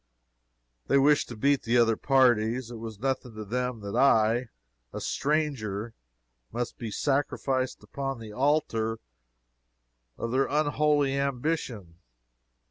They wished to beat the other parties. It was nothing to them that I, a stranger, must be sacrificed upon the altar of their unholy ambition.